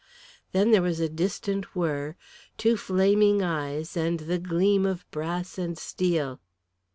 Then there was a distant whirr, two flaming eyes and the gleam of brass and steel.